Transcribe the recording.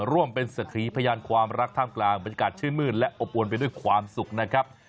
ร่วมเป็นสักขีพยานความรักท่ามกลางบรรยากาศชื่นมืดและอบอวนไปด้วยความสุขนะครับ